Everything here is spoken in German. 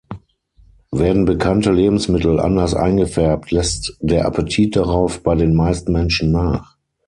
Werden bekannte Lebensmittel anders eingefärbt, lässt der Appetit darauf bei den meisten Menschen nach.